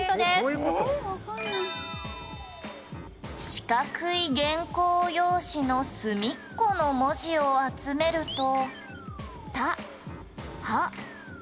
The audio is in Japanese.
「四角い原稿用紙のすみっこの文字を集めると“たはす”」